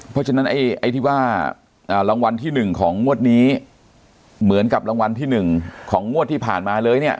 เพราะฉะนั้นไอ้ที่ว่ารางวัลที่๑ของงวดนี้เหมือนกับรางวัลที่๑ของงวดที่ผ่านมาเลยเนี่ย